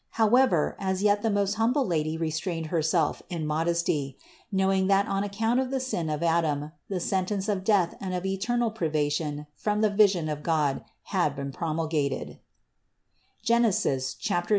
However, as yet the most humble Lady restrained Herself in modesty, knowing that on account of the sin of Adam, the sentence of death and of eternal privation from the vision of God had been promulgated (Gen. 3, 19).